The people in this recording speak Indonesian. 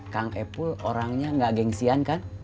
kang epul orangnya gak gengsian kan